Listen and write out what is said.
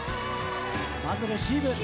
まずレシーブ！